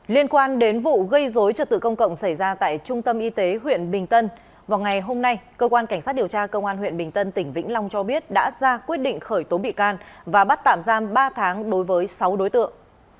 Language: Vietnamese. liên quan đến vụ gây dối trật tự công cộng xảy ra tại trung tâm y tế huyện bình tân vào ngày hôm nay cơ quan cảnh sát điều tra công an huyện bình tân tỉnh vĩnh long cho biết đã ra quyết định khởi tố bị can và bắt tạm giam ba tháng đối với sáu đối tượng